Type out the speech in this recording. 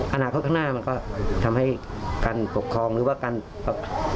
อาณาคตข้างหน้ามันก็ทำให้การปกครองหรือการสรรพงพฤติกรรมละมันจะแตกไป